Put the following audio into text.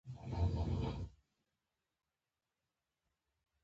د کامیابی په اړه فکر وکړی.